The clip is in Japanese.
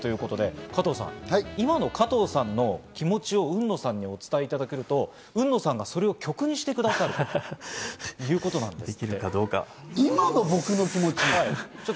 加藤さん、今の加藤さんの気持ちを海野さんにお伝えいただけると、海野さんがそれを曲にしてくださるということなんです。